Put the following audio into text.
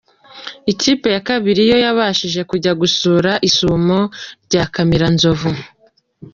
Ikipe ya kabiri yo yabashije kujya gusura isumo rya Kamiranzovu.